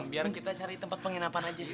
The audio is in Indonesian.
biar kita cari tempat penginapan aja nih